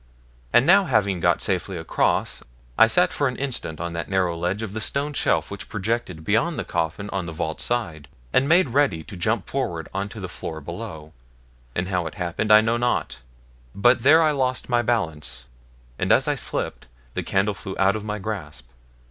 And now having got safely across, I sat for an instant on that narrow ledge of the stone shelf which projected beyond the coffin on the vault side, and made ready to jump forward on to the floor below. And how it happened I know not, but there I lost my balance, and as I slipped the candle flew out of my grasp.